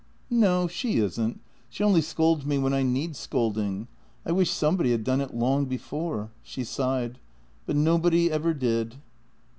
"No, she isn't. She only scolds me when I need scolding: I wish somebody had done it long before." She sighed. " But nobody ever did."